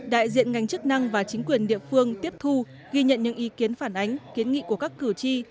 đại diện ngành chức năng và chính quyền địa phương tiếp thu ghi nhận những ý kiến phản ánh kiến nghị của các cử tri